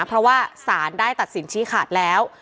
เพราะว่าสารได้ตัดสินชี้ขาดแล้ว